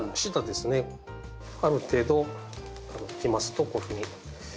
ある程度いきますとこういうふうに。